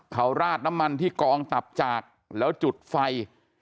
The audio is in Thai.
เขาราดน้ำมันที่กองตับจากแล้วจุดไฟ